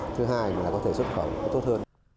thứ hai là có thể xuất khẩu tốt hơn